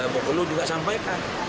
bukulu juga sampai kan